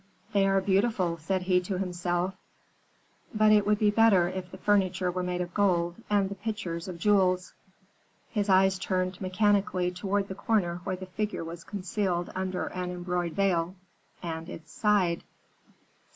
"'They are beautiful,' said he to himself; 'but it would be better if the furniture were made of gold, and the pitchers of jewels.' "His eyes turned mechanically toward the corner where the figure was concealed under an embroidered veil and it sighed.